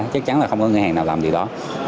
chắc chắn là không có ngân hàng nào làm gì đó